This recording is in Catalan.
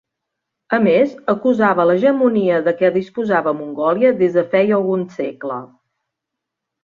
A més, acusava l'hegemonia de què disposava Mongòlia des de feia algun segle.